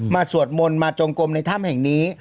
สวดมนต์มาจงกลมในถ้ำแห่งนี้